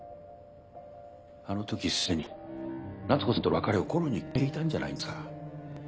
あの時すでに夏子さんとの別れを心に決めていたんじゃないんですか？